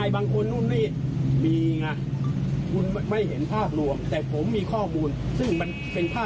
เป็นเนื้อดินเด็กเขาไม่เคยมองระดับเด็กนะ